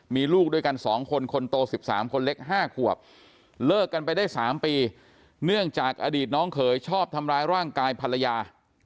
มีลูกด้วยกัน๒คนคนโต๑๓คนเล็ก๕ขวบเลิกกันไปได้๓ปีเนื่องจากอดีตน้องเขยชอบทำร้ายร่างกายภรรยา